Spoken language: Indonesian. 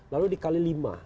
lalu dikali lima